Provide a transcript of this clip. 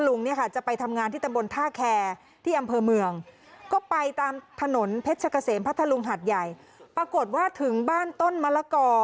ทะลุงนี่ค่ะจะไปทำงานที่ตะมบลท่าแคร์